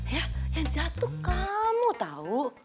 ya yang jahat tuh kamu tau